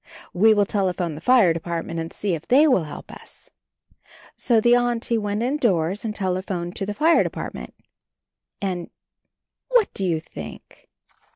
We will telephone the Fire Department and see if they will help us." So the Auntie went indoors and tele phoned to the Fire Department. And — 72 CHARLIE what do you think?